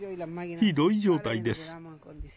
ひどい状態です。